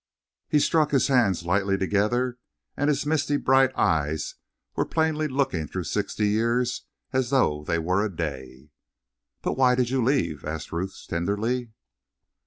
He struck his hands lightly together and his misty bright eyes were plainly looking through sixty years as though they were a day. "But why did you leave?" asked Ruth tenderly.